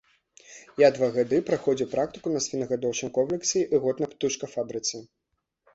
Я два гады праходзіў практыку на свінагадоўчым комплексе і год на птушкафабрыцы.